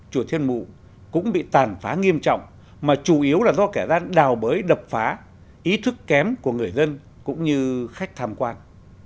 chùa thiên mù cũng bị tàn phá nghiêm trọng mà chủ yếu là do kẻ gian đào bới đập phá ý thức kém của người dân cũng như khách tham quan